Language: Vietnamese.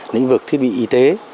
lĩnh vực thiết bị y tế